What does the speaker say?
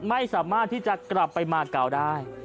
ไม่สามารถที่จะกลับไปมาเก่าได้